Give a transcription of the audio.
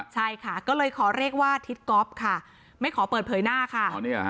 ใช่ค่ะก็เลยขอเรียกว่าทิศก๊อฟค่ะไม่ขอเปิดเผยหน้าค่ะ